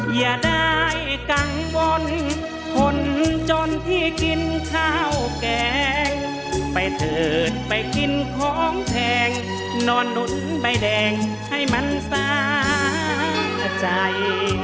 อย่าได้กังวลคนจนที่กินข้าวแกงไปเถิดไปกินของแพงนอนหนุนใบแดงให้มันสาใจ